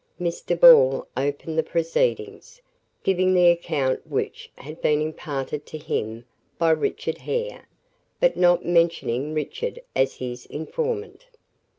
Mr. Ball opened the proceedings, giving the account which had been imparted to him by Richard Hare, but not mentioning Richard as his informant.